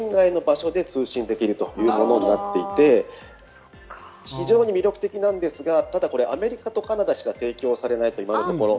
山ですとか、海ですとか、圏外の場所で通信できるということになっていて、非常に魅力的なんですが、ただこれアメリカとカナダしか提供されない、今のところ。